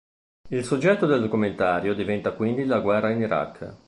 Il soggetto del documentario diventa quindi la guerra in Iraq.